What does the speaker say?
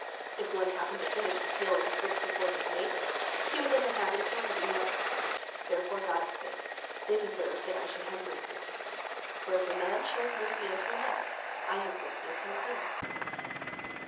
If one happened to finish the tale of his bricks before his neighbors, he was in the habit of helping the others. Therefore God spake, "They deserve that I should have mercy upon them, for if a man shows mercy unto another, I have mercy upon him."